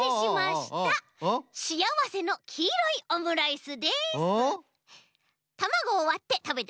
しあわせのきいろいオムライス。